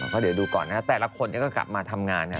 ก็เดี๋ยวดูก่อนนะแต่ละคนก็กลับมาทำงานนะ